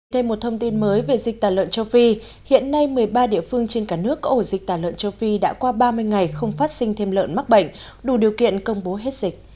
thêm một thông tin mới về dịch tả lợn châu phi hiện nay một mươi ba địa phương trên cả nước có ổ dịch tà lợn châu phi đã qua ba mươi ngày không phát sinh thêm lợn mắc bệnh đủ điều kiện công bố hết dịch